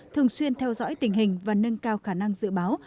thường xuyên theo dõi tình hình và nâng cao khả năng dự báo